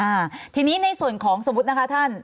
อ่าทีนี้ในส่วนของสมมุตินะคะท่าน